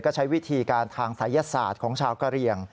ก็ใช้วิธีการทางศัยศาสตร์ของชาวกะเรียง